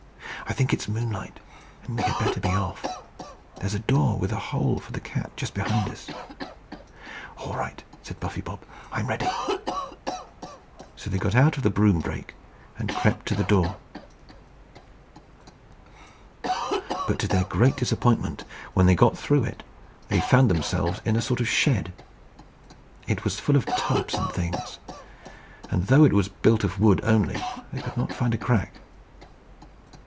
I think it's moonlight, and we had better be off. There's a door with a hole for the cat just behind us." "All right," said Bob; "I'm ready." So they got out of the broom brake and crept to the door. But to their great disappointment, when they got through it, they found themselves in a sort of shed. It was full of tubs and things, and, though it was built of wood only, they could not find a crack.